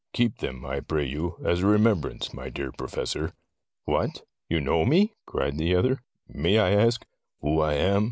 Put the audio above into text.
Keep them, I pray you, as a remembrance, my dear Professor." 'What! You know me?" cried the other. "May I ask" — "Who I am?"